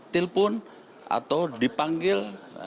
telepon atau dipanggil